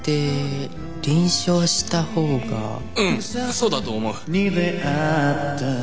そうだと思う。